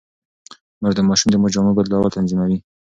مور د ماشوم د جامو بدلول تنظيموي.